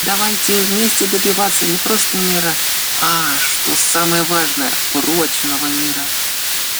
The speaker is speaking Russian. Давайте вместе добиваться не просто мира, а, что самое важное, прочного мира.